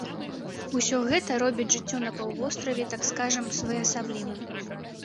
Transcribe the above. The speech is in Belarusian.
Усё гэта робіць жыццё на паўвостраве, так скажам, своеасаблівым.